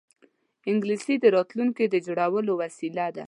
انګلیسي د راتلونکې د جوړولو وسیله ده